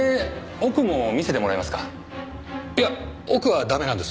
いや奥は駄目なんです。